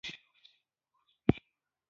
آیا د ایران ځنګلونه نه ساتل کیږي؟